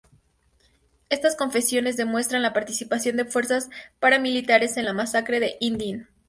Estas confesiones demuestran la participación de fuerzas paramilitares en la masacre de Inn Din.